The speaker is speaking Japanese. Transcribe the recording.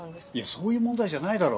そういう問題じゃないだろ？